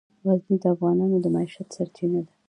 غزني د افغانانو د معیشت سرچینه ده.